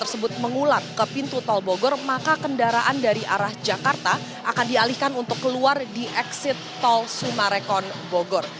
jika mengulat ke pintu tol bogor maka kendaraan dari arah jakarta akan dialihkan untuk keluar di exit tol sumarekon bogor